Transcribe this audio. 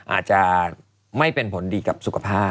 อาจจะไม่เป็นผลดีกับสุขภาพ